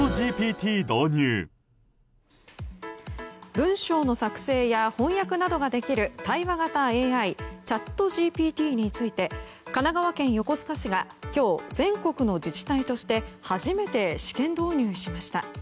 文章の作成や翻訳などができる対話型ＡＩチャットＧＰＴについて神奈川県横須賀市が今日、全国の自治体として初めて試験導入しました。